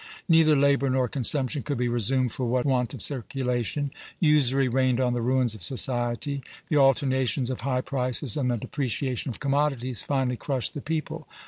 Neither labor nor consumption could be resumed for want of circulation; usury reigned on the ruins of society. The alternations of high prices and the depreciation of commodities finally crushed the people.